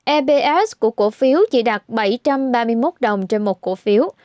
ebs của cổ phiếu chỉ đạt bảy trăm ba mươi một đồng trên một cổ phiếu